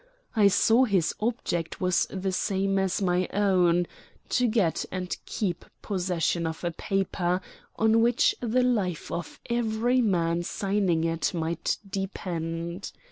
I saw his object was the same as my own to get and keep possession of a paper on which the life of every man signing it might depend.